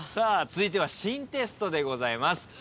続いては新テストでございます。